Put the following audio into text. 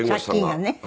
借金がね。